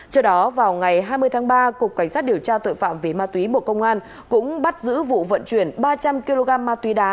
trước đó vào ngày hai mươi tháng ba cục cảnh sát điều tra tội phạm về ma túy bộ công an cũng bắt giữ vụ vận chuyển ba trăm linh kg ma túy đá